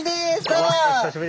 どうも。